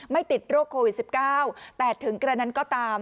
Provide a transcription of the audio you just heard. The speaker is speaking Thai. ติดโรคโควิด๑๙แต่ถึงกระนั้นก็ตาม